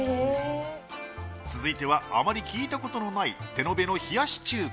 続いてはあまり聞いたことのない手延べの冷やし中華。